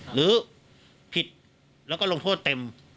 หรือผิดแล้วก็ลงโทษเต็ม